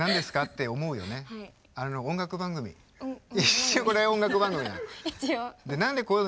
一応これ音楽番組なの。